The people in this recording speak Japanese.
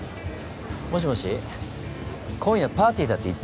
もしもし今夜パーティーだって言ってあったよね？